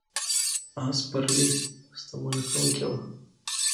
آس سپرلي ستومانه کوونکې وه.